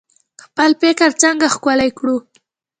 خپل فکر څنګه ښکلی کړو؟